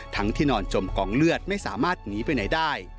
ที่นอนจมกองเลือดไม่สามารถหนีไปไหนได้